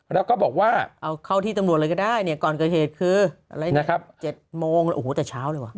แล้วก็บอกว่าเอาเข้าที่ตำรวจเลยก็ได้เนี่ยก่อนเกิดเหตุคืออะไรนะครับ๗โมงโอ้โหแต่เช้าเลยว่ะ